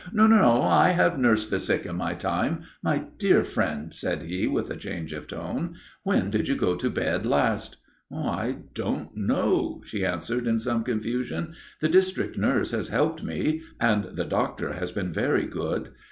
"No, no, I have nursed the sick in my time. My dear friend," said he, with a change of tone, "when did you go to bed last?" "I don't know," she answered in some confusion. "The district nurse has helped me and the doctor has been very good.